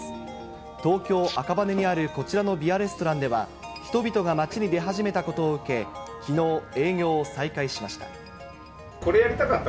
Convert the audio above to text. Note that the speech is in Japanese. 東京・赤羽にあるこちらのビアレストランでは、人々が街に出始めたことを受け、きのう、営業を再開しました。